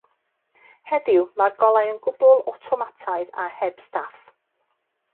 Heddiw, mae'r golau yn gwbl awtomataidd a heb staff.